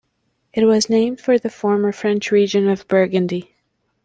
It was named for the former French region of Burgandy.